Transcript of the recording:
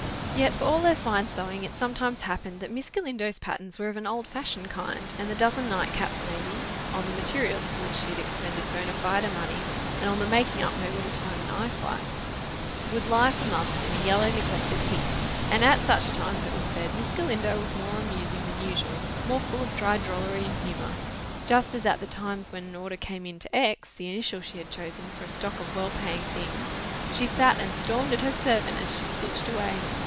Yet, for all their fine sewing, it sometimes happened that Miss Galindo's patterns were of an old fashioned kind; and the dozen nightcaps, maybe, on the materials for which she had expended bona fide money, and on the making up, no little time and eyesight, would lie for months in a yellow neglected heap; and at such times, it was said, Miss Galindo was more amusing than usual, more full of dry drollery and humour; just as at the times when an order came in to X. (the initial she had chosen) for a stock of well paying things, she sat and stormed at her servant as she stitched away.